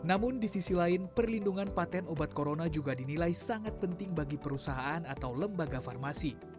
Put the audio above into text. namun di sisi lain perlindungan patent obat corona juga dinilai sangat penting bagi perusahaan atau lembaga farmasi